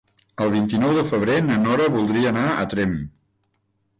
El vint-i-nou de febrer na Nora voldria anar a Tremp.